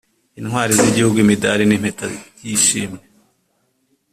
intwari z igihugu imidari n impeta by ishimwe